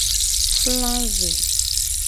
Fla ve.